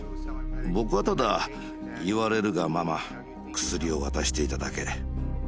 僕はただ言われるがまま薬を渡していただけ。